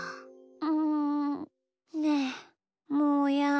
んねえもーやん。